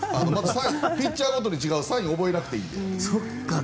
ピッチャーごとに違うサインを覚えなくていいので。